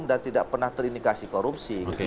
dan tidak pernah terindikasi korupsi